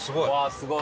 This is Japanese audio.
すごい。